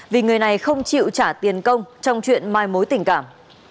vì người này không chịu trả tiền công trong chuyện mai mối tình cảm